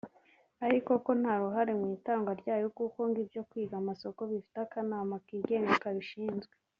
ariko ko nta ruhare mu itangwa ryaryo kuko ngo ibyo kwiga amasoko bifite akanama kigenga kabishinzwe